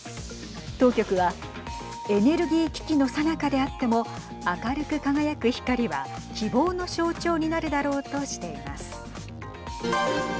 当局は、エネルギー危機のさなかであっても明るく輝く光は希望の象徴になるだろうとしています。